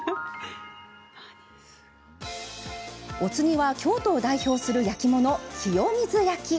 お次は京都を代表する焼き物清水焼。